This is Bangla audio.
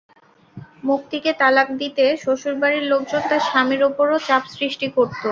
মুক্তিকে তালাক দিতে শ্বশুরবাড়ির লোকজন তাঁর স্বামীর ওপরও চাপ সৃষ্টি করত।